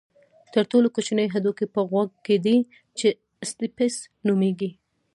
تر ټولو کوچنی هډوکی په غوږ کې دی چې سټیپس نومېږي.